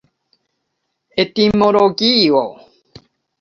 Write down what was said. etimologio